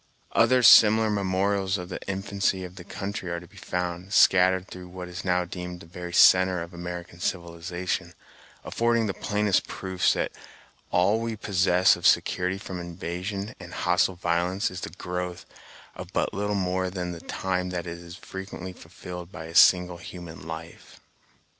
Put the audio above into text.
Other similar memorials of the infancy of the country are to be found, scattered through what is now deemed the very centre of American civilization, affording the plainest proofs that all we possess of security from invasion and hostile violence is the growth of but little more than the time that is frequently fulfilled by a single human life.